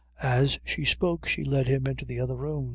As she spoke, she led him into the other room.